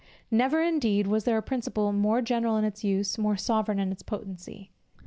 Never indeed was there a principle more general in its use, more sovereign in its potency.